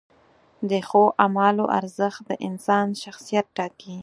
د ښو اعمالو ارزښت د انسان شخصیت ټاکي.